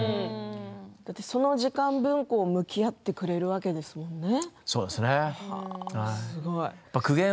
その時間分、向き合ってくれるわけですもんね。